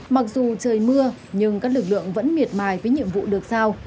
mặc dù trời mưa nhưng các lực lượng vẫn miệt mài với nhiệm vụ được sao